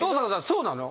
そうなの？